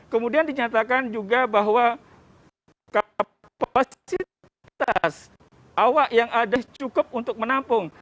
kemudian dinyatakan juga bahwa kapasitas awak yang ada cukup untuk menampung